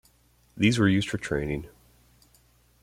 These were used for training.